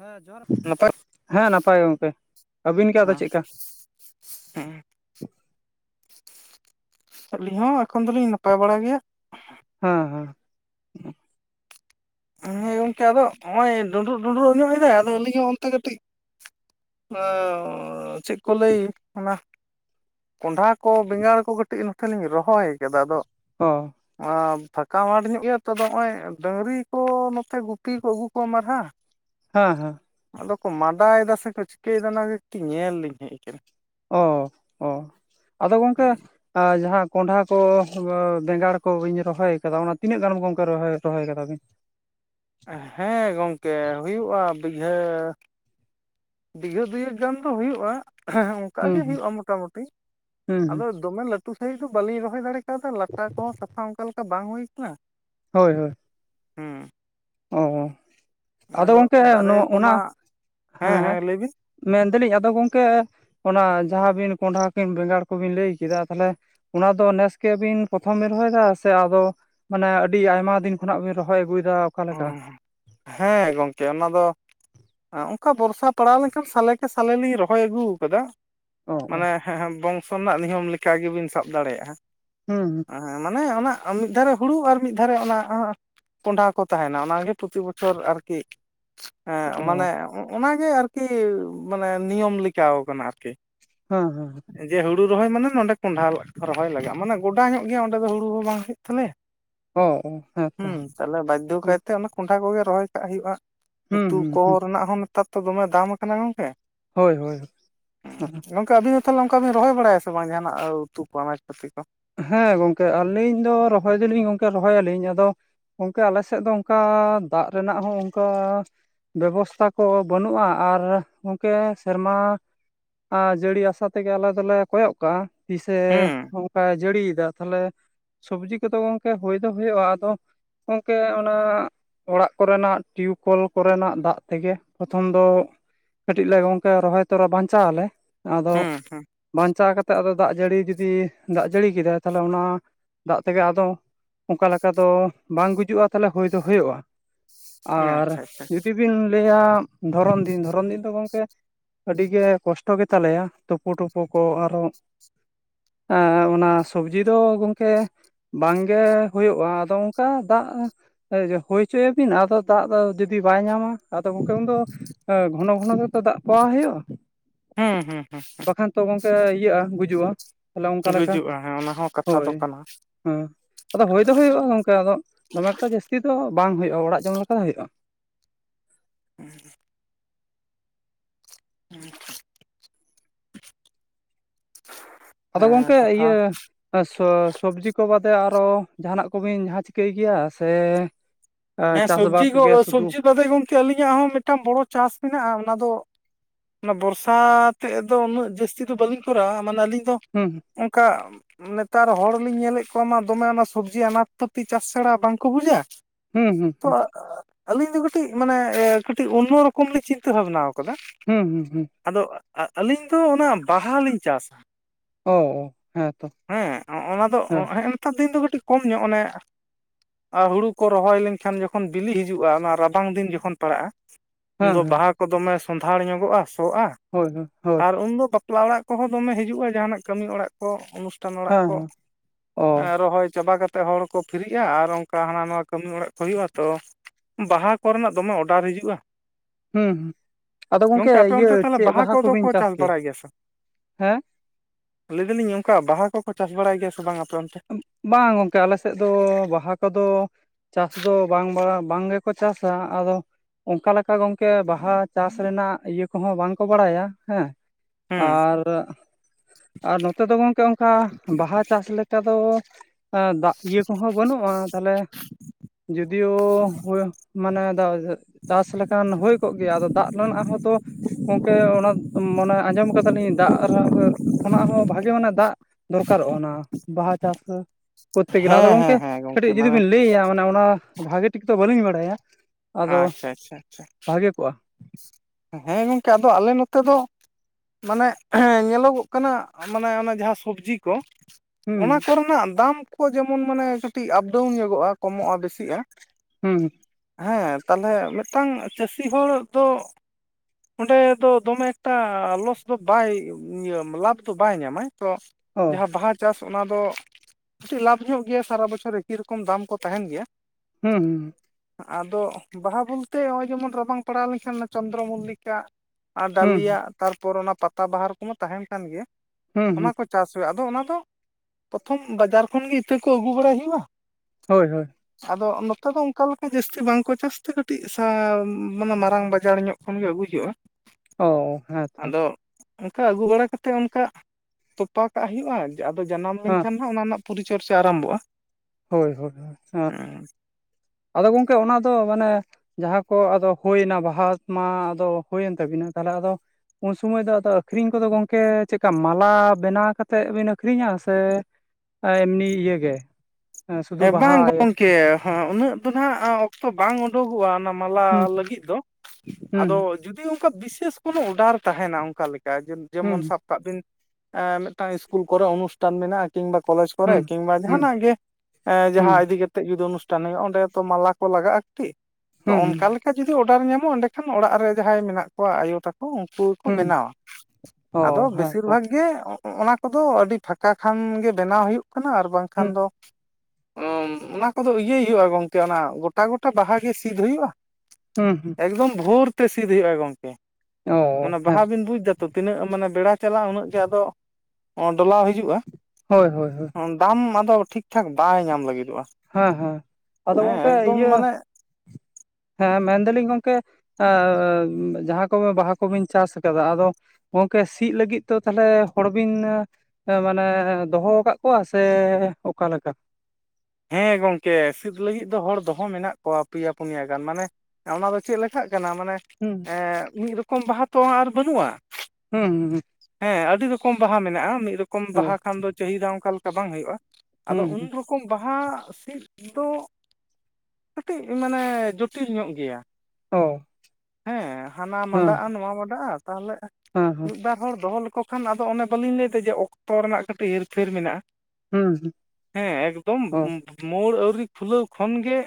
ᱦᱮᱸ ᱡᱚᱦᱟᱸᱨ ᱱᱟᱯᱟᱭ [inaudible] ᱦᱮᱸ ᱱᱟᱯᱟᱭ ᱜᱚᱝᱠᱮ ᱟᱹᱵᱤᱱ ᱜᱮ ᱟᱫᱚ ᱪᱮᱜᱠᱟ? ᱦᱮᱸ ᱟᱹᱞᱤᱧ ᱦᱚᱸ ᱮᱠᱷᱚᱱ ᱫᱚᱞᱤᱧ ᱱᱟᱯᱟᱭ ᱵᱟᱲᱟ ᱜᱮᱭᱟ᱾ ᱦᱮᱸ ᱦᱮᱸ᱾ ᱦᱮᱸ ᱜᱚᱝᱠᱮ ᱟᱫᱚ ᱱᱚᱜᱼᱚᱭ ᱰᱩᱸᱱᱰᱨᱩᱜ ᱰᱩᱸᱱᱰᱨᱩᱜ ᱧᱚᱜ ᱮᱫᱟᱭ ᱟᱫᱚ ᱟᱹᱞᱤᱧ ᱦᱚᱸ ᱚᱱᱛᱮ ᱠᱟᱹᱴᱤᱡ ᱚ ᱪᱮᱫ ᱠᱚ ᱞᱟᱹᱭ ᱚᱱᱟ ᱠᱚᱸᱰᱷᱟ ᱠᱚ ᱵᱮᱸᱜᱟᱲ ᱠᱚ ᱠᱟᱹᱴᱤᱡ ᱱᱚᱛᱮᱞᱤᱧ ᱨᱚᱦᱚᱭ ᱠᱟᱫᱟ ᱟᱫᱚ ᱚ᱾ ᱟ ᱯᱷᱟᱸᱠᱟ ᱢᱟᱴ ᱧᱚᱜ ᱜᱮᱭᱟ ᱛᱚ ᱟᱫᱚ ᱦᱚᱸᱼᱚᱭ ᱰᱟᱹᱝᱨᱤ ᱠᱚ ᱱᱚᱛᱮ ᱜᱩᱯᱤ ᱠᱚ ᱟᱹᱜᱩ ᱠᱚᱣᱟ ᱢᱟᱨᱦᱟ᱾ ᱦᱮᱸ ᱦᱮᱸ᱾ ᱟᱫᱚ ᱠᱚ ᱢᱟᱰᱟᱭ ᱫᱟ ᱥᱮ ᱠᱚ ᱪᱤᱠᱟᱹᱭᱫᱟ ᱚᱱᱟᱜᱮ ᱠᱟᱹᱴᱤᱡ ᱧᱮᱞ ᱞᱤᱧ ᱦᱮᱡ ᱠᱟᱱᱟ᱾ ᱚ ᱚ ᱟᱫᱚ ᱜᱚᱝᱠᱮ ᱟ ᱡᱟᱦᱟᱸ ᱠᱚᱸᱰᱷᱟ ᱠᱚ ᱵᱮᱸᱜᱟᱲ ᱠᱚ ᱵᱤᱱ ᱨᱚᱦᱚᱭ ᱠᱟᱫᱟ ᱚᱱᱟ ᱛᱤᱱᱟᱹᱜ ᱜᱟᱱ ᱜᱚᱢᱠᱮ ᱨᱚᱦᱚᱭ ᱨᱚᱦᱚᱭ ᱠᱟᱫᱟ ᱵᱤᱱ? ᱦᱮᱸ ᱜᱚᱢᱠᱮ ᱦᱩᱭᱩᱜᱼᱟ ᱵᱤᱜᱷᱟᱹ ᱵᱤᱜᱷᱟᱹ ᱫᱩᱭ ᱮᱠ ᱜᱟᱱ ᱫᱚ ᱦᱩᱭᱩᱜᱼᱟ, ᱦᱮᱸ ᱦᱮᱸ ᱚᱱᱠᱟᱜ ᱦᱩᱸ ᱜᱮ ᱦᱩᱸ ᱦᱩᱭᱩᱜᱼᱟ ᱢᱚᱴᱟᱢᱩᱴᱤ ᱦᱩᱸ ᱟᱫᱚ ᱫᱚᱢᱮ ᱞᱟᱹᱴᱩ ᱥᱟᱺᱦᱤᱡ ᱫᱚ ᱵᱟᱹᱞᱤᱧ ᱨᱚᱦᱚᱭ ᱫᱟᱲᱮ ᱟᱠᱟᱫᱟ ᱞᱟᱴᱟ ᱠᱚᱦᱚᱸ ᱥᱟᱯᱷᱟ ᱚᱱᱠᱟ ᱞᱮᱠᱟ ᱵᱟᱝ ᱦᱩᱭ ᱠᱟᱱᱟ ᱾ ᱦᱳᱭ ᱦᱳᱭ ᱾ ᱦᱮᱸ ᱚ ᱟᱫᱚ ᱜᱚᱢᱠᱮ ᱫᱟᱨᱮ ᱱᱚ ᱚᱱᱟ ᱠᱚᱢᱟ ᱦᱮᱸ ᱢᱮᱱᱫᱟᱞᱤᱧ ᱟᱫᱚ ᱜᱚᱝᱠᱮ ᱚᱱᱟ ᱡᱟᱦᱟᱸ ᱵᱤᱱ ᱠᱚᱸᱰᱷᱟ ᱠᱤᱱ ᱵᱮᱸᱜᱟᱲ ᱠᱚᱵᱤᱱ ᱞᱟᱹᱭ ᱠᱮᱫᱟ ᱛᱟᱦᱚᱞᱮ ᱚᱱᱟ ᱫᱚ ᱱᱮᱥ ᱜᱮᱵᱤᱱ ᱯᱨᱚᱛᱷᱚᱢ ᱵᱤᱱ ᱨᱚᱦᱚᱭᱮᱫᱟ ᱥᱮ ᱟᱫᱚ ᱢᱟᱱᱮ ᱟᱹᱰᱤ ᱟᱭᱢᱟ ᱫᱤᱱ ᱠᱷᱚᱱᱟᱜ ᱵᱤᱱ ᱨᱚᱦᱚᱭ ᱟᱹᱜᱩᱭᱮᱫᱟ ᱚᱠᱟᱞᱮᱠᱟ? ᱦᱮᱸ ᱜᱚᱝᱠᱮ ᱚᱱᱟ ᱫᱚ ᱚᱱᱠᱟ ᱵᱚᱨᱥᱟ ᱯᱟᱲᱟᱣ ᱞᱮᱱᱠᱷᱟᱱ ᱥᱟᱞᱮ ᱠᱮ ᱥᱟᱞᱮ ᱞᱤᱧ ᱨᱚᱦᱚᱭ ᱟᱹᱜᱩ ᱟᱠᱟᱫᱟ ᱚ ᱾ ᱚ ᱢᱟᱱᱮ ᱦᱮᱸ ᱵᱚᱝᱥᱚ ᱨᱮᱱᱟᱜ ᱱᱤᱭᱚᱢ ᱞᱮᱠᱟ ᱜᱮᱵᱤᱱ ᱥᱟᱵ ᱫᱟᱲᱮᱭᱟᱜᱼᱟ ᱾ ᱦᱩᱸ ᱦᱩᱸ ᱦᱮᱸ ᱢᱟᱱᱮ ᱚᱱᱟ ᱢᱤᱫ ᱫᱷᱟᱨᱮ ᱦᱳᱲᱳ ᱟᱨ ᱢᱤᱫ ᱫᱷᱟᱨᱮ ᱚᱱᱟ ᱠᱚᱸᱰᱷᱟ ᱾ ᱠᱚ ᱛᱟᱦᱮᱱᱟ ᱚᱱᱟᱜᱮ ᱯᱨᱚᱛᱤ ᱵᱚᱪᱷᱚᱨ ᱟᱨᱠᱤ ᱮᱻ ᱢᱟᱱᱮ ᱚ ᱚᱱᱟᱜᱮ ᱟᱨᱠᱤ ᱢᱟᱱᱮ ᱱᱤᱭᱚᱢ ᱞᱮᱠᱟᱣᱟᱠᱟᱱᱟ ᱟᱨᱠᱤ ᱾ ᱦᱮᱸ ᱦᱮᱸ ᱦᱮᱸ ᱾ ᱡᱮ ᱦᱳᱲᱳ ᱨᱚᱦᱚᱭ ᱢᱟᱱᱮ ᱱᱚᱸᱰᱮ ᱠᱚᱸᱰᱷᱟ ᱨᱚᱦᱚᱭ ᱞᱟᱜᱟᱜᱼᱟ ᱢᱟᱱᱮ ᱜᱚᱰᱟ ᱧᱚᱜ ᱜᱮᱭᱟ ᱚᱸᱰᱮ ᱫᱚ ᱦᱳᱰᱳ ᱦᱚᱸ ᱵᱟᱝ ᱦᱩᱭᱩᱜ ᱛᱟᱞᱮᱭᱟ ᱾ ᱚ ᱚ ᱦᱮᱸ ᱛᱚ ᱾ ᱩᱛᱩ ᱠᱟᱭᱛᱮ ᱚᱱᱟ ᱠᱚᱸᱰᱷᱟ ᱠᱚᱜᱮ ᱨᱚᱦᱚᱭ ᱠᱟᱜ ᱦᱩᱭᱩᱜᱼᱟ ᱩᱛᱩ ᱦᱩᱸ ᱠᱚ ᱦᱩᱸ ᱨᱮᱱᱟᱜ ᱦᱚᱸ ᱱᱮᱛᱟᱨ ᱛᱚ ᱫᱚᱢᱮ ᱫᱟᱢ ᱟᱠᱟᱱᱟ ᱜᱚᱝᱠᱮ ᱾ ᱦᱳᱭ ᱦᱳᱭ [unintelligible] ᱜᱚᱝᱠᱮ ᱟᱹᱵᱤᱱ ᱫᱚ ᱛᱟᱦᱚᱞᱮ ᱚᱱᱠᱟ ᱵᱤᱱ ᱨᱚᱦᱚᱭ ᱵᱟᱲᱟᱭᱟ ᱥᱮ ᱵᱟᱝ ᱡᱟᱦᱟᱸᱱᱟᱜ ᱩᱛᱩ ᱠᱚ ᱟᱱᱟᱡᱯᱟᱹᱛᱤ ᱠᱚ? ᱦᱮᱸ ᱜᱚᱝᱠᱮ ᱟᱹᱞᱤᱧ ᱫᱚ ᱨᱚᱦᱚᱭ ᱫᱚᱞᱤᱧ ᱜᱚᱝᱠᱮ ᱨᱚᱦᱚᱭᱟᱞᱤᱧ ᱟᱫᱚ ᱜᱚᱝᱠᱮ ᱟᱞᱮ ᱥᱮᱫ ᱫᱚ ᱚᱱᱠᱟ ᱫᱟᱜ ᱨᱮᱱᱟᱜ ᱦᱚᱸ ᱚᱱᱠᱟ ᱵᱮᱵᱚᱥᱛᱟ ᱠᱚ ᱵᱟᱹᱱᱩᱜᱼᱟ ᱟᱨ ᱜᱚᱝᱠᱮ ᱥᱮᱨᱢᱟ ᱟᱨ ᱡᱟᱹᱲᱤ ᱟᱥᱟ ᱛᱮᱜᱮ ᱟᱞᱮ ᱫᱚᱞᱮ ᱠᱚᱭᱚᱜ ᱠᱟᱜᱼᱟ ᱛᱤᱥᱮ ᱦᱩᱸ ᱡᱟᱹᱲᱤᱭᱮᱫᱟ ᱛᱟᱦᱞᱮ ᱥᱚᱵᱡᱤ ᱠᱚᱫᱚ ᱜᱚᱝᱠᱮ ᱦᱩᱭ ᱫᱚ ᱦᱩᱭᱩᱜᱼᱟ ᱟᱫᱚ ᱜᱚᱝᱠᱮ ᱚᱱᱟ ᱚᱲᱟᱜ ᱠᱚᱨᱮᱱᱟᱜ ᱴᱤᱭᱩᱠᱚᱞ ᱠᱚᱨᱮᱱᱟᱜ ᱫᱟᱜ ᱛᱮᱜᱮ ᱯᱨᱚᱛᱷᱚᱢ ᱫᱚ ᱠᱟᱹᱴᱤᱡ ᱞᱮ ᱜᱚᱝᱠᱮ ᱨᱚᱦᱚᱭ ᱛᱚᱨᱟ ᱵᱟᱧᱪᱟᱣ ᱟᱞᱮ ᱟᱫᱚ ᱦᱩᱸ ᱵᱟᱧᱪᱟᱣ ᱠᱟᱛᱮᱫ ᱟᱫᱚ ᱫᱟᱜ ᱡᱟᱹᱲᱤ ᱡᱩᱫᱤ ᱫᱟᱜ ᱡᱟᱹᱲᱤ ᱠᱮᱫᱟᱭ ᱛᱟᱦᱞᱮ ᱚᱱᱟ ᱫᱟᱜ ᱛᱮᱜᱮ ᱟᱫᱚ ᱚᱱᱠᱟ ᱞᱮᱠᱟ ᱫᱚ ᱵᱟᱝ ᱜᱩᱡᱩᱜᱼᱟ ᱛᱟᱦᱞᱮ ᱦᱩᱭ ᱫᱚ ᱦᱩᱭᱩᱜᱼᱟ ᱦᱩᱸ ᱟᱨ ᱟᱪᱪᱷᱟ ᱟᱪᱪᱷᱟ ᱡᱩᱫᱤ ᱵᱤᱱ ᱞᱟᱹᱭᱟ ᱫᱷᱚᱨᱚᱱ ᱫᱤᱱ ᱫᱷᱚᱨᱚᱱ ᱫᱤᱱ ᱫᱚ ᱜᱚᱝᱠᱮ ᱟᱹᱰᱤ ᱜᱮ ᱠᱚᱥᱴᱚ ᱜᱮᱛᱟᱞᱮᱭᱟ ᱛᱩᱯᱩ ᱴᱩᱯᱩ ᱠᱚ ᱟᱨᱚ ᱟ ᱚᱱᱟ ᱥᱚᱵᱽᱡᱤ ᱫᱚ ᱜᱚᱝᱠᱮ ᱵᱟᱝᱜᱮ ᱦᱩᱭᱩᱜ-ᱟ ᱟᱫᱚ ᱚᱱᱠᱟ ᱫᱟᱜ ᱮᱭ ᱡᱮ ᱦᱩᱭ ᱦᱚᱪᱚᱭᱟᱵᱤᱱ ᱟᱫᱚ ᱫᱟᱜ ᱫᱚ ᱡᱩᱫᱤ ᱵᱟᱭ ᱧᱟᱢᱟ ᱟᱫᱚ ᱜᱚᱢᱠᱮ ᱩᱱ ᱫᱚ ᱟ ᱜᱷᱚᱱᱚ ᱜᱷᱚᱱᱚ ᱜᱮᱛᱚ ᱫᱟᱜ ᱯᱟᱣᱟᱣ ᱦᱩᱭᱩᱜᱼᱟ ᱾ ᱦᱮᱸ ᱦᱮᱸ ᱦᱮᱸ ᱦᱮᱸ ᱾ ᱛᱚ ᱜᱚᱝᱠᱮ ᱤᱭᱟᱹᱜᱼᱟ ᱜᱩᱡᱩᱜᱼᱟ ᱛᱟᱦᱚᱞᱮ ᱚᱱᱠᱟ ᱜᱩᱡᱩᱜᱼᱟ ᱦᱮᱸ ᱚᱱᱟ ᱦᱚᱸ ᱠᱟᱛᱷᱟ ᱫᱚ ᱠᱟᱱᱟ ᱾ ᱦᱩᱸ ᱟᱫᱚ ᱦᱳᱭ ᱫᱚ ᱦᱳᱭᱩᱜᱼᱟ ᱜᱚᱝᱠᱮ ᱟᱫᱚ ᱫᱚᱢᱮ ᱮᱠᱴᱟ ᱡᱟᱹᱥᱛᱤ ᱫᱚ ᱵᱟᱝ ᱦᱩᱭᱩᱜᱼᱟ ᱚᱲᱟᱜ ᱡᱚᱢ ᱞᱮᱠᱟ ᱫᱚ ᱦᱩᱭᱩᱜᱼᱟ ᱾ [inaudible] ᱩᱸ [inaudible] ᱟᱫᱚ ᱜᱚᱝᱠᱮ ᱠᱟᱛᱷᱟ ᱤᱭᱟᱹ ᱥᱚ ᱥᱚᱵᱽᱡᱤ ᱠᱚ ᱵᱟᱫᱮ ᱟᱨᱚ ᱡᱟᱦᱟᱸᱱᱟᱜ ᱠᱚᱵᱤᱱ ᱡᱟᱦᱟᱸ ᱪᱤᱠᱟᱹᱭ ᱜᱮᱭᱟ ᱥᱮ ᱦᱮᱸ ᱥᱚᱵᱽᱡᱤ ᱪᱟᱥᱵᱟᱥ ᱜᱮ ᱠᱚᱜᱮ ᱥᱩᱫᱷᱩ ᱥᱚᱵᱽᱡᱤ ᱵᱟᱫᱮ ᱜᱚᱝᱠᱮ ᱟᱹᱞᱤᱧᱟᱜ ᱦᱚᱸ ᱢᱤᱜᱴᱟᱝ ᱵᱚᱲᱚ ᱪᱟᱥ ᱢᱮᱱᱟᱜᱼᱟ ᱚᱱᱟ ᱫᱚ ᱚᱱᱟ ᱵᱚᱨᱥᱟ ᱛᱮᱜ ᱫᱚ ᱩᱱᱟᱹᱜ ᱡᱟᱹᱥᱛᱤ ᱫᱚ ᱵᱟᱹᱞᱤᱧ ᱠᱚᱨᱟᱣᱟ ᱢᱟᱱᱮ ᱟᱹᱞᱤᱧ ᱫᱚ ᱦᱩᱸ ᱦᱩᱸ᱾ ᱚᱝᱠᱟ ᱱᱮᱛᱟᱨ ᱦᱚᱲ ᱞᱤᱧ ᱧᱮᱞᱮᱜ ᱠᱚᱣᱟ ᱢᱟ ᱫᱚᱢᱮ ᱚᱱᱟ ᱥᱚᱵᱽᱡᱤ ᱟᱱᱟᱴ ᱯᱟᱹᱛᱤ ᱪᱟᱥ ᱪᱷᱟᱲᱟ ᱵᱟᱝᱠᱚ ᱵᱩᱡᱟ᱾ ᱦᱩᱸ ᱦᱩᱸ ᱛᱚ ᱦᱩᱸ ᱟᱹᱞᱤᱧ ᱫᱚ ᱠᱟᱹᱴᱤᱜ ᱢᱟᱱᱮ ᱠᱟᱹᱴᱤᱜ ᱚᱱᱱᱚ ᱨᱚᱠᱚᱢ ᱞᱤᱧ ᱪᱤᱱᱛᱟᱹ ᱵᱷᱟᱵᱱᱟᱣ ᱠᱟᱫᱟ᱾ ᱦᱩᱸ ᱦᱩᱸ ᱦᱩᱸ, ᱟᱫᱚ ᱟ ᱟᱹᱞᱤᱧ ᱫᱚ ᱚᱱᱟ ᱵᱟᱦᱟ ᱞᱤᱧ ᱪᱟᱥᱟ ᱚ ᱚ ᱦᱮᱸ ᱛᱚ ᱦᱮᱸ ᱚᱱᱟ ᱫᱚ ᱚ ᱦᱮᱸ ᱮ ᱚᱱᱮ ᱱᱮᱛᱟᱨ ᱫᱤᱱ ᱫᱚ ᱠᱟᱹᱴᱤᱜ ᱠᱚᱢ ᱧᱚᱜ ᱚᱱᱮ ᱟᱨ ᱦᱩᱲᱩ ᱠᱚ ᱨᱚᱦᱚᱭ ᱞᱮᱱᱠᱷᱟᱱ ᱡᱚᱠᱷᱚᱱ ᱵᱤᱞᱤ ᱦᱤᱡᱩᱜᱼᱟ ᱚᱱᱟ ᱨᱟᱵᱟᱝ ᱫᱤᱱ ᱡᱚᱠᱷᱚᱱ ᱯᱟᱲᱟᱜᱼᱟ ᱩᱱ ᱦᱮᱸ ᱫᱚ ᱦᱮᱸ ᱵᱟᱦᱟ ᱠᱚ ᱫᱚᱢᱮ ᱥᱚᱸᱫᱷᱟᱲ ᱧᱚᱜᱚᱜᱼᱟ ᱥᱚᱜᱼᱟ ᱦᱳᱭ ᱦᱳᱭ ᱦᱳᱭ ᱟᱨ ᱩᱱ ᱫᱚ ᱵᱟᱠ ᱵᱟᱯᱞᱟ ᱚᱲᱟᱜ ᱠᱚᱦᱚᱸ ᱫᱚᱢᱮ ᱦᱤᱡᱩᱜᱼᱟ ᱡᱟᱦᱟᱸᱱᱟᱜ ᱠᱟᱹᱢᱤ ᱚᱲᱟᱜ ᱠᱚ ᱚᱱᱩᱥ ᱴᱟᱱ ᱚᱲᱟᱜ ᱦᱮᱸ ᱠᱚ ᱦᱮᱸ ᱚ ᱨᱚᱦᱚᱭ ᱪᱟᱵᱟ ᱠᱟᱛᱮᱜ ᱦᱚᱲ ᱠᱚ ᱯᱷᱤᱨᱤᱜᱼᱟ ᱟᱨ ᱚᱝᱠᱟ ᱦᱟᱱᱟ ᱱᱚᱣᱟ, ᱠᱟᱹᱢᱤ ᱚᱲᱟᱜ ᱠᱚ ᱦᱩᱭᱩᱜᱼᱟ ᱛᱚ ᱵᱟᱦᱟ ᱠᱚᱨᱮᱱᱟᱜ ᱫᱚᱢᱮ ᱚᱰᱟᱨ ᱦᱤᱡᱩᱜᱼᱟ᱾ ᱦᱩᱸ ᱦᱩᱸ ᱟᱫᱚ ᱜᱚᱝᱠᱮ ᱜᱝᱠᱮ ᱟᱯᱮ ᱤᱭᱟᱹ ᱚᱱᱛᱮ ᱛᱟᱞᱦᱮ ᱪᱮᱫ ᱵᱟᱦᱟ ᱠᱚᱫᱚ ᱠᱚᱵᱤᱱ ᱠᱚ ᱪᱟᱥ ᱵᱟᱲᱟᱭ ᱜᱮᱭᱟ ᱥᱮ? ᱦᱮᱸ ᱞᱟᱹᱭ ᱫᱟᱹᱞᱤᱧ ᱜᱚᱝᱠᱮ ᱵᱟᱦᱟ ᱠᱚᱠᱚ ᱪᱟᱥ ᱵᱟᱲᱟᱭ ᱜᱮᱭᱟ ᱥᱮ ᱵᱟᱝ ᱟᱯᱮ ᱚᱱᱛᱮ? ᱵᱟᱝ ᱜᱚᱝᱠᱮ ᱟᱞᱮ ᱥᱮᱜ ᱫᱚ ᱵᱟᱦᱟ ᱠᱚᱫᱚ ᱪᱟᱥ ᱫᱚ ᱵᱟᱝ ᱵᱟᱲᱟ ᱵᱟᱝ ᱜᱮᱠᱚ ᱪᱟᱥᱟ ᱟᱫᱚ, ᱚᱝᱠᱟ ᱞᱮᱠᱟ ᱜᱚᱝᱠᱮ ᱵᱟᱦᱟ ᱪᱟᱥ ᱨᱮᱱᱟᱜ ᱤᱭᱟᱹ ᱠᱚᱦᱚᱸ ᱵᱟᱝ ᱠᱚ ᱵᱟᱲᱟᱭᱟ ᱦᱮᱸ᱾ ᱦᱩᱸ ᱟᱨ ᱟᱨ ᱱᱚᱛᱮ ᱫᱚ ᱜᱚᱝᱠᱮ ᱚᱝᱠᱟ ᱵᱟᱦᱟ ᱪᱟᱥ ᱞᱮᱠ ᱱᱮᱛᱟᱨ‌ ᱫᱚ ᱫᱟᱜᱽ ᱟᱸ ᱤᱭᱟᱹ ᱠᱚᱦᱚᱸ ᱵᱟᱹᱱᱩᱜᱼᱟ ᱛᱟᱞᱦᱚᱞᱮ ᱡᱚᱫᱤᱭᱚ ᱦᱚᱭ ᱢᱟᱱᱮ ᱫᱟᱜᱽ ᱪᱟᱥ ᱞᱮᱠᱷᱟᱱ ᱦᱳᱭ ᱠᱚᱜ ᱜᱮᱭᱟ ᱟᱫᱚ ᱫᱟᱜᱽ ᱨᱮᱱᱟᱜ ᱦᱚᱸ ᱛᱚ, ᱜᱚᱝᱠᱮ ᱚᱱᱟ ᱢᱟᱱᱮ ᱟᱸᱡᱚᱢ ᱠᱟᱫᱟᱞᱤᱧ ᱫᱟᱜᱽ ᱨᱟᱬᱝᱜᱟᱹ ᱠᱷᱚᱱᱟᱜ ᱦᱚᱸ ᱵᱷᱟᱜᱤ ᱚᱱᱟ ᱫᱟᱜᱽ ᱫᱚᱨᱠᱟᱨᱚᱜᱼᱟ ᱚᱱᱟ᱾ ᱵᱟᱦᱟ ᱪᱟᱥ ᱠᱚ ᱠᱚᱨᱛᱮ ᱜᱮᱞᱮ ᱟᱫᱚ ᱦᱮᱸ ᱜᱚᱝᱠᱮ ᱦᱮᱸ ᱦᱮᱸ ᱜᱚᱝᱠᱮ ᱠᱟᱹᱴᱤᱜ ᱡᱩᱫᱤ ᱢᱟᱱᱮ ᱵᱤᱱ ᱞᱟᱹᱭᱟ ᱢᱟᱱᱮ ᱚᱱᱟ ᱵᱷᱟᱜᱤ ᱴᱷᱤᱠ ᱛᱚ ᱵᱟᱹᱞᱤᱧ ᱵᱟᱲᱟᱭᱟ ᱟᱫᱚ ᱟᱪᱪᱷᱟ ᱟᱪᱪᱷᱟ ᱟᱪᱪᱷᱟ ᱵᱷᱟᱜᱮ ᱠᱚᱜᱼᱟ᱾ ᱦᱮᱸ ᱜᱚᱝᱠᱮ ᱟᱫᱚ ᱟᱞᱮ ᱱᱚᱛᱮ ᱫᱚ ᱢᱟᱱᱮ ᱧᱮᱞᱚᱜᱚᱜ ᱠᱟᱱᱟ ᱢᱟᱱᱮ ᱚᱱᱟ ᱡᱟᱦᱟᱸ ᱥᱚᱵᱽᱡᱤ ᱠᱚ ᱚᱱᱟ ᱦᱩᱸ ᱠᱚᱨᱮᱱᱟᱜ ᱫᱟᱢ ᱠᱚ ᱡᱮᱢᱚᱱ ᱢᱟᱱᱮ ᱠᱟᱹᱴᱤᱜ ᱟᱯᱰᱟᱣᱩᱱ ᱧᱚᱜᱚᱜᱼᱟ ᱠᱚᱢᱚᱜᱼᱟ ᱵᱮᱥᱤᱜᱼᱟ᱾ ᱦᱩᱸ ᱦᱩᱸ ᱦᱮᱸ ᱛᱟᱦᱚᱞᱮ ᱢᱤᱜᱴᱟᱝ ᱪᱟᱹᱥᱤ ᱦᱚᱲ ᱫᱚ ᱚᱸᱰᱮ ᱫᱚ ᱫᱚᱢᱮ ᱮᱠᱴᱟ ᱞᱚᱥ ᱫᱚ ᱵᱟᱭ ᱞᱟᱵᱷ ᱫᱚ ᱵᱟᱭ ᱧᱟᱢᱟᱣ ᱛᱚ ᱚ ᱡᱟᱦᱟᱸ ᱵᱟᱦᱟ ᱪᱟᱥ ᱚᱱᱟ ᱫᱚ ᱠᱟᱹᱴᱤᱜ ᱞᱟᱵᱷ ᱧᱚᱜ ᱜᱮᱭᱟ ᱥᱟᱨᱟ ᱵᱚᱪᱷᱚᱨ ᱮᱠᱤ ᱨᱚᱠᱚᱢ ᱫᱟᱢ ᱠᱚ ᱛᱟᱦᱮᱸᱱ ᱜᱮᱭᱟ᱾ ᱦᱮᱸ ᱦᱩᱸᱦᱩᱸ, ᱟᱫᱚ ᱵᱟᱦᱟ ᱵᱚᱞᱛᱮ ᱦᱚᱸᱜᱼᱚᱭ ᱡᱮᱢᱚᱱ ᱨᱟᱵᱟᱝ ᱯᱟᱲᱟᱣ ᱞᱮᱱᱠᱷᱟᱱ ᱪᱚᱱᱫᱨᱚ ᱢᱚᱞᱞᱤᱠᱟ ᱟᱨ ᱦᱩᱸ ᱰᱟᱞᱤᱭᱟ ᱦᱩᱸ ᱛᱟᱨᱯᱚᱨ ᱚᱱᱟ ᱯᱟᱛᱟ ᱵᱟᱦᱟᱨ ᱠᱚᱢᱟ ᱛᱟᱦᱮᱸᱱ ᱠᱟᱱ ᱜᱮᱭᱟ᱾ ᱦᱩᱸ ᱚᱱᱟ ᱦᱩᱸ ᱠᱚ ᱪᱟᱥ ᱦᱩᱭᱩᱜᱼᱟ ᱟᱫᱚ ᱚᱱᱟ ᱫᱚ ᱯᱨᱚᱛᱷᱚᱢ ᱵᱟᱡᱟᱨ ᱠᱷᱚᱱ ᱜᱮ ᱤᱛᱟᱹ ᱠᱚ ᱟᱹᱜᱩ ᱵᱟᱲᱟᱭ ᱦᱩᱭᱩᱜᱼᱟ᱾ ᱦᱳᱭ ᱦᱳᱭ, ᱟᱫᱚ ᱱᱚᱛᱮ ᱫᱚ ᱚᱝᱠᱟ ᱞᱮᱠᱟ ᱡᱟᱹᱥᱛᱤ ᱵᱟᱝᱠᱚ ᱛᱮ ᱠᱟᱹᱴᱤᱜ ᱥᱟᱨ ᱢᱟᱱᱮ ᱢᱟᱨᱟᱝ ᱵᱟ ᱡᱟᱲ ᱧᱚᱜ ᱠᱷᱚᱱ ᱜᱮ ᱟᱹᱜᱩ ᱦᱩᱭᱩᱜᱼᱟ᱾ ᱚ ᱦᱮᱸ ᱛᱚ᱾ ᱚᱝᱠᱟ ᱟᱹᱜᱩ ᱵᱟᱲᱟ ᱠᱟᱛᱮᱜ ᱚᱱᱠᱟ ᱛᱚᱯᱟ ᱠᱟᱜ ᱦᱩᱭᱩᱜᱼᱟ ᱟᱫᱚ ᱡᱟᱱᱟᱢ ᱦᱮᱸ ᱞᱮᱱᱠᱷᱟᱱ ᱦᱟᱸᱜ ᱚᱱᱟ ᱱᱟᱜ ᱯᱚᱨᱤᱪᱚᱨᱪᱟ ᱟᱨᱟᱢᱵᱷᱚᱜᱼᱟ᱾ ᱦᱳᱭ ᱦᱳᱭ ᱦᱳᱭ ᱦᱮᱸ ᱟᱫᱚ ᱜᱚᱝᱠᱮ ᱚᱱᱟ ᱫᱚ ᱢᱟᱱᱮ ᱡᱟᱦᱟᱸ ᱠᱚ ᱟᱫᱚ ᱦᱩᱭᱱᱟ ᱵᱟᱦᱟ ᱢᱟ ᱟᱫᱚ ᱦᱩᱭᱮᱱ ᱛᱟᱵᱤᱱᱟ ᱛᱟᱞᱦᱮ ᱟᱫᱚ ᱩᱱ ᱥᱚᱢᱚᱭ ᱫᱚ ᱟᱫᱚ ᱟᱹᱠᱷᱨᱤᱧ ᱠᱚᱫᱚ ᱜᱚᱝᱠᱮ ᱪᱮᱜᱠᱟ ᱢᱟᱞᱟ ᱵᱮᱱᱟᱣ ᱠᱟᱛᱮᱜ ᱵᱤᱱ ᱟᱹᱠᱷᱨᱤᱧᱟ ᱥᱮ ᱟ ᱮᱢᱱᱤ ᱤᱭᱟᱹ ᱜᱮ? ᱥᱩᱫᱷᱩ ᱮ ᱵᱟᱦᱟ ᱵᱟᱝ ᱜᱚᱝᱠᱮ᱾ ᱦᱚᱸ ᱩᱱᱟᱹᱜ ᱫᱚ ᱱᱟᱜ ᱚᱠᱛᱚ ᱵᱟᱝ ᱩᱰᱩᱠᱚᱜᱼᱟ ᱚᱱᱟ ᱢᱟᱞᱟ ᱦᱩᱸ ᱞᱟᱹᱜᱤᱜ ᱫᱚ ᱦᱩᱸ ᱟᱫᱚ ᱡᱩᱫ ᱫᱤ ᱚᱝᱠᱟ ᱵᱤᱥᱮᱥ ᱠᱳᱱᱳ ᱚᱰᱟᱨ ᱛᱟᱦᱮᱸᱱᱟ ᱚᱝᱠᱟ ᱞᱮᱠᱟ ᱦᱩᱸ ᱡᱮ-ᱡᱮᱢᱚᱱ ᱥᱟᱵ ᱠᱟᱜ ᱵᱤᱱ ᱮᱸ ᱢᱤᱫᱴᱟᱝ ᱥᱠᱩᱞ ᱠᱚᱨᱮ ᱚᱱᱩᱥᱴᱷᱟᱱ ᱢᱮᱱᱟᱜᱼᱟ, ᱠᱤᱢᱵᱟ ᱠᱚᱞᱮᱡᱽ ᱠᱚᱨᱮ ᱦᱩᱸ ᱠᱤᱢᱵᱟ ᱦᱩᱸ ᱡᱟᱦᱟᱱᱟᱜ ᱜᱮ ᱮᱸ ᱦᱩᱸ ᱡᱟᱦᱟᱸ ᱤᱫᱤ ᱠᱟᱛᱮᱜ ᱡᱩᱫᱤ ᱚᱱᱩᱥᱴᱷᱟᱱ ᱦᱩᱭᱩᱜᱼᱟ ᱚᱸᱰᱮ ᱛᱚ ᱢᱟᱞᱟ ᱠᱚ ᱞᱟᱜᱟᱜᱼᱟ ᱴᱤᱜ ᱛᱚ ᱦᱩᱸ ᱚᱝᱠᱟ ᱞᱮ ᱠᱟ ᱡᱩᱫᱤ ᱚᱰᱟᱨ ᱧᱟᱢᱚᱜᱼᱟ ᱮᱸᱰᱮᱠᱷᱟᱱ ᱚᱲᱟᱜ ᱨᱮ ᱡᱟᱦᱟᱸᱭ ᱢᱮᱱᱟᱜ ᱠᱚᱣᱟ ᱟᱭᱳ ᱛᱟᱠ ᱠᱩ ᱩᱝᱠᱩ ᱜᱮᱠᱚ ᱦᱩᱸ ᱵᱮᱱᱟᱣᱟ ᱚ ᱟᱫᱚ ᱦᱮᱸ ᱵᱮᱥᱤᱨ ᱛᱚ ᱵᱷᱟᱜᱽ ᱜᱮ ᱚᱱᱟ ᱠᱚᱫᱚ ᱟᱹᱰᱤ ᱯᱷᱟᱠᱟ ᱠᱷᱟᱱ ᱜᱮ ᱵᱮᱱᱟᱣ ᱦᱩᱭᱩᱜ ᱠᱟᱱᱟ ᱟᱨ ᱵᱟᱝᱠᱷᱟᱱ ᱦᱩᱸ ᱫᱚ ᱚᱸ-ᱚᱱᱟ ᱠᱚᱫᱚ ᱤᱭᱟᱹᱭ ᱦᱩᱭᱩᱜᱼᱟ ᱜᱚᱝᱠᱮ ᱚᱱᱟ ᱜᱚᱴᱟ ᱜᱚᱴᱟ ᱵᱟᱦᱟ ᱜᱮ ᱥᱤᱫᱽ ᱦᱩᱭᱩᱜᱼᱟ᱾ ᱦᱩᱸ ᱦᱩᱸ ᱮᱠᱫᱚᱢ ᱵᱷᱳᱨ ᱛᱮ ᱥᱤᱫᱽ ᱦᱩᱭᱩᱜᱼᱟ ᱜᱚᱝᱠᱮ ᱚ ᱚᱱᱟ ᱦᱮᱸ ᱵᱟᱦᱟ ᱵᱤᱱ ᱵᱩᱡᱫᱟ ᱛᱚ? ᱛᱤᱱᱟᱹᱜ ᱢᱟᱱᱮ ᱵᱮᱲᱟ ᱪᱟᱞᱟᱜᱼᱟ ᱩᱱᱟᱹᱜ ᱜᱮ ᱟᱫᱚ ᱰᱚᱞᱟᱣ ᱦᱤᱡᱩᱜᱼᱟ᱾ ᱦᱳᱭ ᱦᱳᱭ ᱦᱳᱭ᱾ ᱫᱟᱢ ᱟᱫᱚ ᱴᱷᱤᱠ ᱴᱷᱟᱠ ᱵᱟᱭ ᱧᱟᱢ ᱞᱟᱹᱜᱤᱫᱚᱜᱼᱟ᱾ ᱦᱮᱸ ᱦᱮᱸ ᱟᱫᱚ ᱦᱮᱸ ᱜᱚᱝᱠᱮ ᱤᱭᱟᱹ ᱮᱠᱫᱚᱢ ᱢᱟᱱᱮ ᱦᱮᱸ ᱢᱮᱱᱫᱟᱞᱤᱧ ᱜᱚᱝᱠᱮ ᱮᱸ ᱡᱟᱦᱟᱸ ᱠᱚᱵᱮᱸ ᱵᱟᱦᱟ ᱠᱚᱵᱤᱱ ᱪᱟᱥ ᱠᱟᱫᱟ ᱟᱫᱚ ᱜᱚᱝᱠᱮ ᱥᱤᱜ ᱞᱟᱹᱜᱤᱫ ᱛᱚ ᱛᱟᱦᱞᱮ ᱦᱚᱲ ᱵᱤᱱ ᱮ ᱢᱟᱱᱮ ᱫᱚᱦᱚᱣ ᱠᱟᱜ ᱠᱚᱣᱟ ᱥᱮ ᱚᱠᱟᱞᱮᱠᱟ? ᱦᱮᱸ ᱜᱚᱝᱠᱮ ᱥᱤᱫᱽ ᱞᱟᱹᱜᱤᱫ ᱫᱚ ᱦᱚᱲ ᱫᱚᱦᱚ ᱢᱮᱱᱟᱜ ᱠᱚᱣᱟ ᱯᱮᱭᱟ ᱯᱩᱱᱭᱟᱹ ᱜᱟᱱ ᱢᱟᱱᱮ ᱚᱱᱟ ᱫᱚ ᱪᱮᱜ ᱞᱮᱠᱟᱜ ᱠᱟᱱᱟ ᱢᱟᱱᱮ ᱦᱩᱸ ᱮᱸ ᱢᱤᱜ ᱨᱚᱠᱚᱢ ᱵᱟᱦᱟ ᱛᱚ ᱟᱨ ᱵᱟᱹᱱᱩᱜᱼᱟ᱾ ᱦᱩᱸ ᱦᱩᱸ ᱦᱩᱸ ᱦᱮᱸ ᱟᱹᱰᱤ ᱨᱚᱠᱚᱢ ᱵᱟᱦᱟ ᱢᱮᱱᱟᱜᱼᱟ ᱢᱤᱜ ᱨᱚᱠᱚᱢ ᱦᱳᱭ ᱵᱟᱦᱟ ᱠᱷᱟᱱ ᱫᱚ ᱪᱟᱹᱦᱤᱫᱟ ᱚᱝᱠᱟ ᱞᱮᱠᱟ ᱵᱟᱝ ᱦᱩᱭᱩᱜᱼᱟ᱾ ᱟᱫᱚ ᱦᱩᱸ ᱩᱱ ᱦᱩᱸ ᱨᱚ ᱵᱟᱦᱟ ᱥᱤᱫᱽ ᱫᱚ ᱠᱟᱹᱴᱤᱡ ᱢᱟᱱᱮ ᱡᱚᱴᱤᱞ ᱧᱚᱜ ᱜᱮᱭᱟ᱾ ᱚ ᱦᱮᱸ ᱦᱟᱱᱟ ᱦᱮᱸ ᱢᱟᱸᱰᱟᱜᱼᱟ ᱱᱚᱣᱟ ᱢᱟᱸᱰᱟᱜᱼᱟ ᱛᱟᱦᱞᱮ ᱦᱮᱸ ᱦᱮᱸ ᱢᱤᱜ ᱵᱟ ᱦᱚᱲ ᱫᱚᱦᱚ ᱞᱮᱠᱚ ᱠᱷᱟᱱ ᱟᱫᱚ ᱚᱱᱮ ᱵᱟᱹᱞᱤᱧ ᱞᱟᱹᱭᱫᱟ ᱡᱮ ᱚᱠᱛᱚ ᱨᱮᱱᱟᱜ ᱠᱟᱹᱴᱤᱡ ᱦᱮᱨ-ᱯᱷᱮᱨ ᱢᱮᱱᱟᱜᱼᱟ᱾ ᱦᱩᱸ ᱦᱮᱸ ᱦᱩᱸ ᱚ [inaudible] ᱢᱳᱲ ᱟᱹᱣᱨᱤ ᱠᱷᱩᱞᱟᱹᱣ ᱠᱷᱚᱱ ᱜᱮ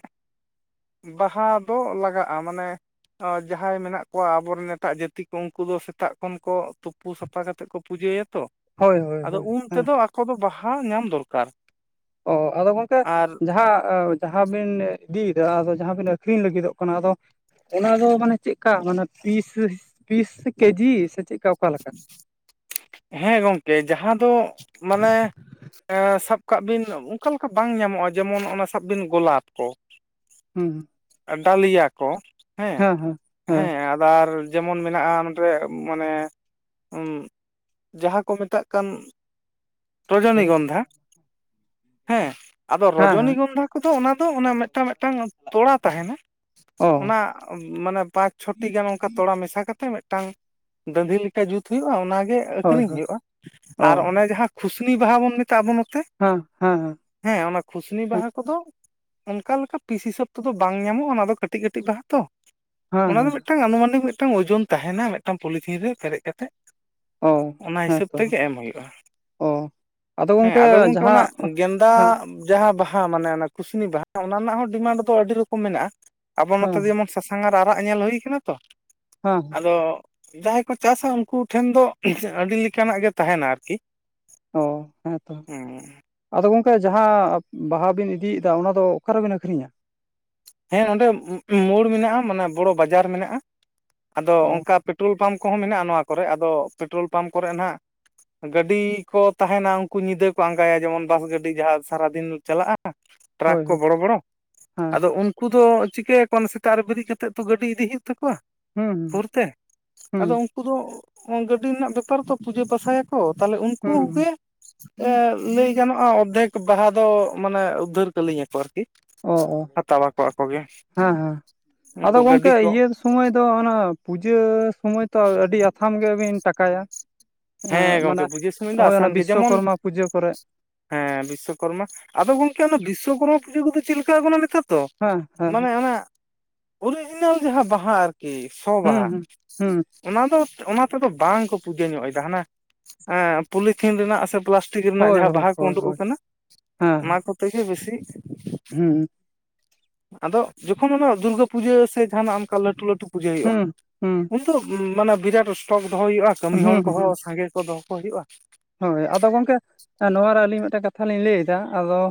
ᱵᱟᱦᱟ ᱫᱚ ᱞᱟᱜᱟᱜᱼᱟ ᱢᱟᱱᱮ ᱟ ᱡᱟᱦᱟᱸᱭ ᱢᱮᱱᱟᱜ ᱠᱚᱣᱟ ᱟᱵᱚᱨᱮᱱ ᱮᱴᱟᱜ ᱡᱟᱹᱛᱤ ᱠᱚ ᱩᱝᱠᱩ ᱫᱚ ᱥᱮᱛᱟᱜ ᱠᱷᱚᱱ ᱠᱚ ᱛᱩᱯᱩ ᱥᱟᱯ ᱯᱟ ᱠᱷᱟᱛᱮᱜ ᱠᱚ ᱯᱩᱡᱟᱹᱭᱟ ᱛᱚ ᱦᱳᱭ ᱦᱳᱭ ᱟᱫᱚ ᱦᱳᱭ ᱩᱱ ᱦᱮᱸ ᱛᱮᱫᱚ ᱟᱠᱚ ᱫᱚ ᱵᱟᱦᱟ ᱧᱟᱢ ᱫᱚᱨᱠᱟᱨ᱾ ᱚ ᱟᱫᱚ ᱜᱚᱝᱠᱮ ᱟᱨ ᱡᱟᱦᱟᱸ ᱮ ᱡᱟᱦᱟᱸ ᱵᱤᱱ ᱤᱫᱤᱭᱫᱟ ᱟᱫᱚ ᱡᱟᱦᱟᱸ ᱵᱤᱱ ᱟᱹᱷᱨᱤᱧ ᱞᱟᱹᱜᱤᱫᱚᱜ ᱠᱟᱱᱟ ᱟᱫᱚ ᱚᱱᱟ ᱫᱚ ᱢᱟᱱᱮ ᱪᱮᱜᱠᱟ ᱢᱟᱱᱮ ᱯᱤᱥ ᱤᱥ ᱯᱤᱥ ᱠᱮᱡᱤ ᱥᱮ ᱪᱮᱜ ᱥᱮ ᱚᱠᱟ ᱞᱮᱠᱟ? ᱦᱮᱸ, ᱜᱚᱢᱠᱮ ᱡᱟᱦᱟᱸ ᱫᱚ ᱢᱟᱱᱮ ᱥᱟᱵ ᱠᱟᱜ ᱵᱤᱱ ᱚᱝᱠᱟ ᱞᱮᱠᱟ ᱵᱟᱝ ᱧᱟᱢᱚᱜᱼᱟ ᱡᱮᱢᱚᱱ ᱚᱱᱟ ᱥᱟᱵ ᱵᱤᱱ ᱜᱳᱞᱟᱯ ᱠᱚ, ᱦᱩᱸ ᱦᱩᱸ, ᱟᱰᱟᱹᱞᱤᱭᱟ ᱠᱚ ᱦᱮᱸ ᱦᱮᱸ ᱟᱫᱟᱨ, ᱡᱮᱢᱚᱱ ᱢᱮᱱᱟᱜᱼᱟ ᱱᱚᱸᱰᱮ ᱢᱟᱱᱮ, ᱡᱟᱦᱟᱸ ᱠᱚ ᱢᱮᱛᱟᱜ ᱠᱟᱱ, ᱨᱚᱡᱚᱱᱤ ᱜᱚᱱᱫᱷᱟ, ᱦᱮᱸ ᱦᱮᱸ ᱟᱫᱚ ᱨᱚᱡᱚᱱᱤ ᱦᱮᱸ ᱜᱚᱱᱫᱷᱟ ᱠᱚ ᱫᱚ ᱚᱱᱟ ᱫᱚ ᱚᱱᱟ ᱢᱤᱫᱴᱟᱝ ᱢᱤᱫᱴᱟᱝ ᱛᱚᱲᱟ ᱛᱟᱦᱮᱱᱟ ᱾ ᱚ ᱚᱱᱟ ᱢᱟᱱᱮ ᱯᱟᱸᱪ ᱪᱷᱚᱴᱤ ᱜᱟᱱ ᱚᱝᱠᱟ ᱛᱚᱲᱟ ᱢᱮᱥᱟ ᱠᱟᱛᱮ ᱢᱤᱫ ᱴᱟᱝ ᱫᱟᱺᱫᱷᱤ ᱞᱮᱠᱟ ᱡᱩᱛ ᱦᱩᱭᱩᱜᱼᱟ ᱚᱱᱟ ᱜᱮ ᱦᱳᱭ ᱟᱹᱠᱷᱨᱤᱧ ᱦᱳᱭ ᱦᱩᱭᱩᱜᱼᱟ ᱚ ᱟᱨ ᱚᱱᱮ ᱡᱟᱦᱟᱸ ᱠᱷᱩᱥᱱᱤ ᱵᱟᱦᱟ ᱵᱚᱱ ᱢᱮᱛᱟᱜᱼᱟ ᱟᱵᱚ ᱱᱚᱛᱮ ᱦᱮᱸ ᱦᱮᱸ ᱦᱮᱸ, ᱦᱮᱸ, ᱚᱱᱟ ᱠᱷᱩᱥᱱᱤ ᱵᱟᱦᱟ ᱠᱚ ᱫᱚ ᱚᱝᱠᱟ ᱞᱮᱠᱟ ᱯᱤᱥ ᱦᱤᱥᱟᱹᱵᱽ ᱛᱮᱫᱚ ᱵᱟᱝ ᱧᱟᱢᱚᱜᱼᱟ ᱚᱱᱟ ᱫᱚ ᱠᱟᱹᱴᱤᱡ ᱠᱟᱹᱴᱤᱡ ᱵᱟᱦᱟ ᱛᱚ, ᱦᱮᱸ ᱚᱱᱟ ᱫᱚ ᱦᱮᱸ ᱢᱤᱫᱴᱟᱝ ᱟᱱᱩᱢᱟᱱᱤᱠ ᱢᱤᱫᱴᱟᱝ ᱳᱡᱚᱱ ᱛᱟᱦᱮᱱᱟ ᱢᱤᱫᱴᱟᱝ ᱯᱚᱞᱤᱛᱷᱤᱱ ᱨᱮ ᱯᱮᱨᱮᱡ ᱠᱟᱛᱮᱜ ᱾ ᱦᱚ, ᱦᱮᱸ ᱛᱚ ᱚ ᱟᱫᱚ ᱦᱮᱸ ᱜᱚᱢᱠᱮ ᱜᱚᱝᱠᱮ ᱚᱱᱟ ᱡᱟᱦᱟᱸ ᱦᱮᱸ ᱜᱮᱸᱫᱟ ᱡᱟᱦᱟᱸ ᱵᱟᱦᱟ ᱢᱟᱱᱮ ᱚᱱᱟ ᱠᱩᱥᱱᱤ ᱡᱟᱦᱟᱸ ᱵᱟᱦᱟ ᱚᱱᱟ ᱨᱮᱱᱟᱜ ᱦᱚᱸ ᱰᱤᱢᱟᱱᱰ ᱫᱚ ᱟᱹᱰᱤ ᱨᱚᱠᱚᱢ ᱢᱮᱱᱟᱜᱼᱟ, ᱟᱵᱚ ᱱᱚᱛᱮ ᱦᱮᱸ ᱡᱮᱢᱚᱱ ᱥᱟᱥᱟᱝ ᱟᱨ ᱟᱨᱟᱜ ᱧᱮᱞ ᱦᱩᱭ ᱟᱠᱟᱱᱟ ᱛᱚ, ᱦᱩᱸ, ᱟᱫᱚ ᱡᱟᱦᱟᱸᱭ ᱠᱚ ᱪᱟᱥᱟ ᱩᱱᱠᱩ ᱴᱷᱮᱱ ᱫᱚ ᱟᱹᱰᱤ ᱞᱮᱠᱟᱱᱟᱜ ᱜᱮ ᱛᱟᱦᱮᱱᱟ ᱟᱨᱠᱤ, [inaudible] [unintelligible] ᱟᱫᱚ ᱜᱚᱢᱠᱮ ᱡᱟᱦᱟᱸ ᱵᱟᱦᱟ ᱵᱤᱱ ᱤᱫᱤᱭᱮᱫᱟ ᱚᱱᱟ ᱫᱚ ᱚᱠᱟᱨᱮᱵᱤᱱ ᱟᱹᱠᱷᱨᱤᱧᱟ? ᱦᱮᱸ, ᱱᱚᱸᱰᱮ ᱢᱳᱲ ᱢᱮᱱᱟᱜᱼᱟ ᱢᱟᱱᱮ ᱵᱚᱲᱚ ᱵᱟᱡᱟᱨ ᱢᱮᱱᱟᱜᱼᱟ ᱟᱫᱚ ᱚ ᱚᱝᱠᱟ ᱯᱮᱴᱨᱳᱞ ᱯᱟᱢᱯ ᱠᱚ ᱦᱚᱸ ᱢᱮᱱᱟᱜᱼᱟ ᱱᱚᱣᱟ ᱠᱚᱨᱮ ᱟᱫᱚ ᱯᱮᱴᱨᱳᱞ ᱯᱟᱢᱯ ᱠᱚᱨᱮ ᱱᱟᱜ, ᱜᱟᱹᱰᱤ ᱠᱚ ᱛᱟᱦᱮᱱᱟ ᱩᱱᱠᱩ ᱧᱤᱫᱟᱹ ᱠᱚ ᱟᱸᱜᱟᱭᱟ ᱡᱮᱢᱚᱱ ᱵᱟᱥ ᱜᱟᱹᱰᱤ ᱡᱟᱦᱟᱸ ᱥᱟᱨᱟᱫᱤᱱ ᱪᱟᱞᱟᱜᱼᱟ ᱾ ᱴᱨᱟᱠ ᱦᱳᱭ ᱠᱚ ᱦᱳᱭ ᱵᱚᱲᱚ ᱵᱚᱲᱚ ᱦᱮᱸ ᱟᱫᱚ ᱩᱱ, ᱩᱱᱠᱩ ᱫᱚ ᱪᱤᱠᱟᱹᱭᱟ ᱠᱚ ᱥᱮᱛᱟᱜ ᱨᱮ ᱵᱮᱨᱮᱫ ᱠᱟᱛᱮᱫ ᱛᱚ ᱜᱟᱹᱰᱤ ᱤᱫᱤ ᱦᱩᱭᱩᱜ ᱛᱟᱠᱚᱣᱟ ᱦᱩᱸ ᱾ ᱵᱷᱳᱨ ᱛᱮ ᱟᱫᱚ ᱦᱩᱸ ᱩᱱᱠᱩ ᱫᱚ ᱜᱟᱹᱰᱤ ᱨᱮᱱᱟᱜ ᱵᱮᱯᱟᱨ ᱫᱚ ᱯᱩᱡᱟᱹ ᱯᱟᱥᱟᱭᱟ ᱛᱚ ᱛᱟᱦᱮᱞᱮ ᱩᱱᱠᱩ ᱦᱩᱸ ᱜᱮ, ᱦᱩᱸ ᱞᱟᱹᱭ ᱜᱟᱱᱚᱜᱼᱟ ᱚᱨᱫᱷᱮᱠ ᱵᱟᱦᱟ ᱫᱚ ᱢᱟᱱᱮ ᱩᱫᱽᱫᱷᱟᱹᱨ ᱠᱟᱹᱞᱤᱧᱟᱠᱚ ᱟᱨᱠᱤ, ᱚ ᱚ ᱦᱟᱛᱟᱣᱟᱠᱚ ᱟᱠᱚ ᱜᱮ ᱦᱮᱸ ᱦᱮᱸ, ᱟᱫᱚ ᱩᱱᱠᱩ ᱜᱚᱢᱠᱮ ᱜᱟᱹᱰᱤ ᱠᱚ ᱤᱭᱟᱹ ᱥᱚᱢᱚᱭ ᱫᱚ ᱚᱱᱟ ᱯᱩᱡᱟᱹ ᱥᱚᱢᱚᱭ ᱛᱚ ᱟᱹᱰᱤ ᱟᱛᱷᱟᱢ ᱜᱮᱵᱤᱱ ᱴᱟᱠᱟᱭᱟ ᱾ ᱦᱮᱸ ᱢᱟᱱᱮ ᱜᱚᱝᱠᱮ ᱯᱩᱡᱟᱹ ᱥᱩᱢᱚᱭ ᱫᱚ ᱦᱚᱸᱜᱼᱚᱭ ᱟᱥᱟᱱ ᱚᱱᱟ ᱜᱮ ᱡᱮᱢᱚᱱ ᱵᱤᱥᱥᱚᱠᱚᱨᱢᱟ ᱯᱩᱡᱟᱹ ᱠᱚᱨᱮ, ᱦᱮᱸ, ᱵᱤᱥᱥᱚᱠᱚᱨᱢᱟ ᱟᱫᱚ ᱜᱚᱢᱠᱮ ᱚᱱᱟ ᱵᱤᱥᱥᱚᱠᱚᱨᱢᱟ ᱯᱩᱡᱟᱹ ᱠᱚ ᱫᱚ ᱪᱮᱫ ᱞᱮᱠᱟ ᱠᱟᱱᱟ ᱱᱮᱛᱟᱨ? ᱛᱚ, ᱦᱮᱸ ᱦᱮᱸ ᱢᱟᱱᱮ ᱚᱱᱟ ᱚᱨᱤᱡᱤᱱᱟᱞ ᱡᱟᱦᱟᱸ ᱵᱟᱦᱟ ᱠᱤ ᱥᱚ ᱦᱩᱸ ᱵᱟᱦᱟ ᱦᱩᱸ ᱦᱩᱸ ᱚᱱᱟ ᱫᱚ ᱚᱱᱟ ᱛᱮ ᱫᱚ ᱵᱟᱝ ᱠᱚ ᱯᱩᱡᱟᱹ ᱧᱚᱜᱼᱟ, ᱦᱟᱱᱟ ᱯᱚᱞᱤᱛᱷᱤᱱ ᱨᱮᱱᱟᱜ ᱥᱮ ᱨᱮᱱᱟᱜ ᱦᱳᱭ ᱦᱳᱭ ᱡᱟᱦᱟᱸ ᱠᱚ ᱦᱳᱭ ᱩᱰᱩᱠ ᱦᱳᱭ ᱟᱠᱟᱱᱟ ᱾ ᱦᱮᱸ ᱚᱱᱟ ᱠᱚ ᱛᱮᱜᱮ ᱵᱮᱥᱤ, ᱦᱩᱸ, ᱟᱫᱚ ᱡᱚᱠᱷᱚᱱ ᱚᱱᱟ ᱫᱩᱨᱜᱟᱹ ᱯᱩᱡᱟᱹ ᱥᱮ ᱡᱟᱦᱟᱱᱟᱜ ᱚᱝᱠᱟ ᱞᱟᱹᱴᱩ ᱞᱟᱹᱴᱩ ᱯᱩᱡᱟᱹ ᱦᱩᱭᱩᱜᱼᱟ ᱦᱩᱸ ᱦᱩᱸ ᱩᱱ ᱢᱟᱱᱮ ᱵᱤᱨᱟᱴ ᱥᱴᱚᱠ ᱫᱚᱦᱚ ᱦᱩᱭᱩᱜᱼᱟ ᱠᱟᱹᱢᱤ ᱦᱩᱸ ᱦᱚᱲ ᱦᱩᱸ ᱠᱚᱦᱚᱸ ᱥᱟᱸᱜᱮ ᱠᱚ ᱫᱚ ᱦᱚ ᱠᱚ ᱦᱩᱭᱩᱜᱼᱟ ᱾ ᱦᱳᱭ ᱟᱫᱚ ᱜᱚᱢᱠᱮ ᱱᱚᱣᱟ ᱨᱮ ᱟᱹᱞᱤᱧ ᱢᱤᱫ ᱴᱮᱱ ᱠᱟᱛᱷᱟ ᱞᱤᱧ ᱞᱟᱹᱭᱮᱫᱟ ᱟᱫᱚ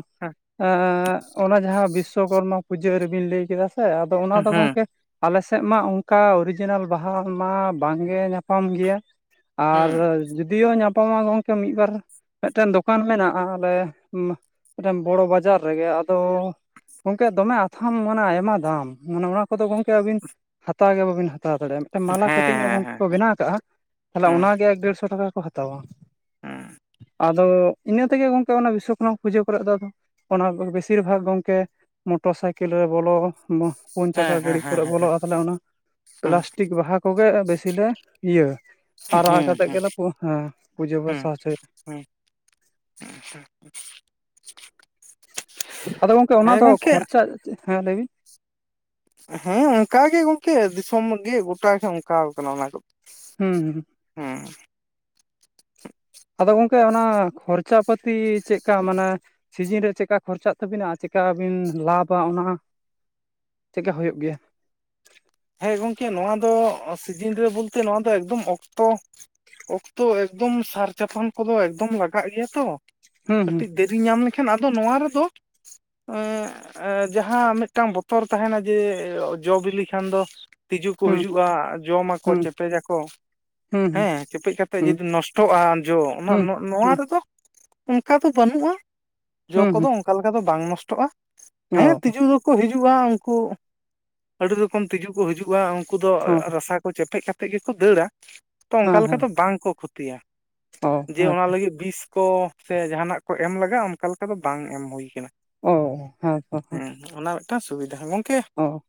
ᱚᱱᱟ ᱡᱟᱦᱟᱸ ᱵᱤᱥᱥᱚᱠᱚᱨᱢᱟ ᱯᱩᱡᱟᱹ ᱨᱮ ᱵᱤᱱ ᱞᱟᱹᱭ ᱠᱮᱫᱟ ᱥᱮ ᱟᱫᱚ ᱚᱱᱟ ᱦᱮᱸ ᱫᱚ ᱦᱩᱸ ᱜᱚᱝᱠᱮ ᱟᱞᱮ ᱥᱮᱫ ᱢᱟ ᱚᱝᱠᱟ ᱚᱨᱤᱡᱤᱱᱟᱞ ᱵᱟᱦᱟ ᱢᱟ ᱵᱟᱝᱜᱮ ᱧᱟᱯᱟᱢ ᱜᱮᱭᱟ ᱾ ᱟᱨ ᱦᱩᱸ ᱡᱩᱫᱤᱭᱳ ᱧᱟᱯᱟᱢᱟ ᱜᱚᱢᱠᱮ ᱢᱤᱫ ᱵᱟᱨ ᱢᱤᱫᱴᱮᱱ ᱫᱚᱠᱟᱱ ᱢᱮᱱᱟᱜᱼᱟ ᱟᱞᱮ ᱢᱤᱫᱴᱮᱱ ᱵᱚᱲᱚ ᱵᱟᱡᱟᱨ ᱨᱮᱜᱮ ᱟᱫᱚ ᱜᱚᱢᱠᱮ ᱫᱚᱢᱮ ᱟᱛᱷᱟᱢ ᱢᱟᱱᱮ ᱟᱭᱢᱟ ᱫᱟᱢ ᱢᱟᱱᱮ ᱚᱱᱟ ᱠᱚᱫᱚ ᱜᱚᱢᱠᱮ ᱟᱹᱵᱤᱱ ᱦᱟᱛᱟᱣ ᱜᱮ ᱵᱟᱹᱵᱤᱱ ᱦᱟᱛᱟᱣ ᱫᱟᱲᱮᱭᱟᱜᱼᱟ ᱾ ᱢᱟᱞᱟ ᱠᱟᱹᱴᱤᱡ ᱦᱮᱸ ᱧᱚᱜ ᱦᱮᱸ ᱜᱚᱝᱠᱮ ᱠᱚ ᱵᱮᱱᱟᱣ ᱠᱟᱜᱼᱟ ᱛᱟᱦᱚᱞᱮ ᱦᱮᱸ ᱚᱱᱟᱜᱮ ᱮᱠ ᱰᱮᱲᱥᱚ ᱴᱟᱠᱟ ᱠᱚ ᱦᱟᱛᱟᱣᱟ ᱦᱮᱸ ᱦᱮᱸ ᱾ ᱟᱫᱚ ᱤᱱᱟᱹ ᱛᱮᱜᱮ ᱜᱚᱝᱠᱮ ᱚᱱᱟ ᱵᱤᱥᱥᱚᱠᱨᱢᱟ ᱯᱩᱡᱟᱹ ᱠᱚᱨᱮᱫ ᱫᱚ ᱟᱫᱚ ᱚᱱᱟ ᱵᱮᱥᱤᱨ ᱵᱷᱟᱜᱽ ᱜᱚᱢᱠᱮ ᱢᱚᱴᱚᱨ ᱥᱟᱭᱠᱮᱞ ᱨᱮ ᱵᱚᱞᱚ ᱚᱱᱟ ᱯᱩᱱ ᱪᱟᱠᱟ ᱦᱮᱸ ᱦᱮᱸ ᱜᱟᱹᱰᱤ ᱦᱮᱸ ᱦᱮᱸ ᱵᱚᱞᱚᱜᱼᱟ ᱛᱟᱦᱚᱞᱮ ᱚᱱᱟ ᱦᱩᱸ ᱯᱞᱟᱥᱴᱤᱠ ᱵᱟᱦᱟ ᱠᱚᱜᱮ ᱵᱮᱥᱤ ᱞᱮ ᱤᱭᱟᱹ ᱟᱨᱟᱣ ᱦᱩᱸ ᱠᱟᱛᱮᱜ ᱦᱩᱸ ᱜᱮᱞᱮ ᱦᱮᱸ ᱯᱩᱡᱟᱹ ᱯᱟᱥᱟ ᱦᱚᱪᱚᱭᱟ ᱾ ᱦᱩᱸ ᱩᱸ ᱦᱩᱸ᱾ ᱟᱫᱚ ᱜᱚᱝᱠᱮ ᱚᱱᱟ ᱦᱮᱸ ᱫᱚ ᱜᱚᱝᱠᱮ ᱠᱷᱚᱨᱪᱟ ᱦᱮᱸ ᱞᱟᱹᱭ ᱵᱤᱱ ᱦᱮᱸ ᱚᱱᱠᱟ ᱜᱮ ᱜᱚᱝᱠᱮ ᱫᱤᱥᱚᱢ ᱜᱮ ᱜᱚᱴᱟᱮ ᱚᱱᱠᱟ ᱠᱟᱱᱟ ᱚᱱᱟ ᱠᱚᱫᱚ ᱾ ᱦᱩᱸ ᱦᱩᱸ ᱾ ᱦᱩᱸ᱾ ᱟᱫᱚ ᱜᱚᱝᱠᱮ ᱚᱱᱟ ᱠᱷᱚᱨᱪᱟ ᱯᱟᱹᱛᱤ ᱪᱮᱫᱠᱟ ᱢᱟᱱᱮ ᱥᱤᱡᱤᱱ ᱨᱮ ᱪᱮᱫᱠᱟ ᱠᱷᱚᱨᱪᱟᱜ ᱛᱟᱹᱵᱤᱱᱟ ᱪᱮᱠᱟ ᱵᱤᱱ ᱞᱟᱵᱟ ᱚᱱᱟ ᱪᱮᱫᱠᱟ ᱦᱩᱭᱩᱜ ᱜᱮᱭᱟ? ᱦᱮᱸ ᱜᱚᱢᱠᱮ ᱱᱚᱣᱟ ᱫᱚ ᱚ ᱥᱤᱡᱤᱱ ᱨᱮ ᱵᱚᱞᱛᱮ ᱱᱚᱣᱟ ᱫᱚ ᱮᱠᱫᱚᱢ ᱚᱠᱛᱚ ᱚᱠᱛᱚ ᱮᱠᱫᱚᱢ ᱥᱟᱨ ᱪᱟᱯᱟᱱ ᱠᱚᱫᱚ ᱮᱠᱫᱚᱢ ᱞᱟᱜᱟᱜ ᱜᱮᱭᱟ ᱛᱚ ᱦᱩᱸ ᱦᱩᱸ ᱠᱟᱹᱴᱤᱡ ᱫᱮᱨᱤ ᱧᱟᱢ ᱞᱮᱠᱷᱟᱱ ᱟᱫᱚ ᱱᱚᱣᱟ ᱨᱮᱫᱚ ᱮᱸᱜ ᱡᱟᱦᱟᱸ ᱢᱤᱫᱴᱟᱝ ᱵᱚᱛᱚᱨ ᱛᱟᱦᱮᱸᱱᱟ ᱡᱮ ᱡᱚ ᱵᱤᱞᱤ ᱠᱷᱟᱱ ᱫᱚ ᱛᱤᱡᱩ ᱠᱚ ᱦᱤᱡᱩᱜᱼᱟ ᱡᱚᱢᱟᱠᱚ ᱦᱩᱸ ᱪᱮᱯᱮᱡᱟᱠᱚ ᱾ ᱦᱩᱸ ᱦᱮᱸ ᱪᱮᱯᱮᱡ ᱠᱟᱛᱮ ᱦᱩᱸ ᱦᱩᱸ ᱡᱩᱫᱤ ᱱᱚᱥᱴᱚᱜᱼᱟ ᱡᱚ ᱚᱱᱟ ᱦᱩᱸ ᱱᱚ ᱱᱚᱣᱟ ᱨᱮᱫᱚ ᱚᱝᱠᱟ ᱫᱚ ᱵᱟᱹᱱᱩᱜᱼᱟ ᱡᱚ ᱦᱩᱸ ᱠᱚᱫᱚ ᱦᱩᱸ ᱚᱱᱠᱟ ᱞᱮᱠᱟ ᱫᱚ ᱵᱟᱝ ᱱᱚᱥᱴᱚᱜᱼᱟ ᱦᱮᱸ ᱛᱤᱡᱩ ᱠᱚ ᱦᱤᱡᱩᱜᱼᱟ ᱩᱱᱠᱩ ᱟᱹᱰᱤ ᱨᱚᱠᱚᱢ ᱛᱤᱡᱩ ᱠᱚ ᱦᱤᱡᱩᱜᱼᱟ ᱩᱱᱠᱩ ᱫᱚ ᱨᱟᱥᱟ ᱠᱚ ᱠᱚ ᱪᱮᱯᱮᱫ ᱠᱟᱛᱮᱫ ᱜᱮᱠᱚ ᱫᱟᱹᱲᱟ ᱛᱚ ᱚᱱᱠᱟ ᱞᱮᱠᱟ ᱦᱩᱸ ᱫᱚ ᱵᱟᱝ ᱠᱚ ᱠᱷᱚᱛᱤᱭᱟ ᱚ ᱾ ᱡᱮ ᱚᱱᱟ ᱞᱟᱹᱜᱤᱫ ᱵᱤᱥ ᱠᱚ ᱥᱮ ᱡᱟᱦᱟᱸᱱᱟᱜ ᱠᱚ ᱮᱢ ᱞᱟᱜᱟᱜᱼᱟ ᱚᱱᱠᱟ ᱞᱮᱠᱟ ᱫᱚ ᱵᱟᱝ ᱮᱢ ᱦᱩᱭ ᱠᱟᱱᱟ ᱾ ᱚ ᱦᱮᱸ ᱛᱚ ᱦᱮᱸ᱾ ᱚᱱᱟ ᱢᱤᱫᱴᱟᱝ ᱥᱤᱵᱤᱫᱷᱟ ᱜᱚᱝᱠᱮ ᱚ᱾